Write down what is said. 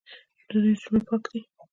د دوی زړونه پاک دي.